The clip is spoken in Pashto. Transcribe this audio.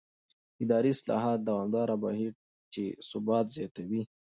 اداري اصلاح دوامداره بهیر دی چې ثبات زیاتوي